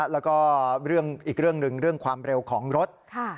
แล้วก็อีกเรื่องหนึ่งเรื่องความเร็วของรถ